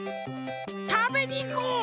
たべにいこう！